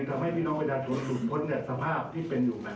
จะไปยกหนุนให้กับคนนายกที่จะไม่ได้เป็นภาวะออกค่ะ